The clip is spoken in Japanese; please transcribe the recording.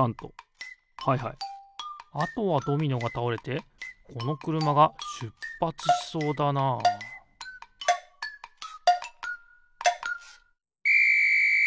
はいはいあとはドミノがたおれてこのくるまがしゅっぱつしそうだなあピッ！